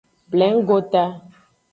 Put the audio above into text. Plengota.